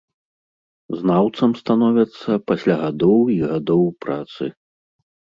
Знаўцам становяцца пасля гадоў і гадоў працы.